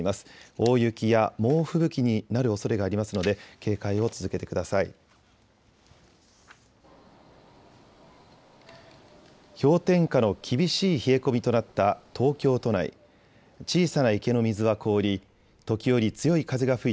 大雪や猛吹雪になるおそれがありますので警戒を続けてください。